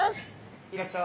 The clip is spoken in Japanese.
いらっしゃい。